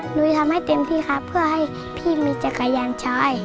หนูทำให้เต็มที่ครับเพื่อให้พี่มีจักรยานชาย